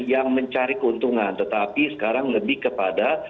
yang mencari keuntungan tetapi sekarang lebih kepada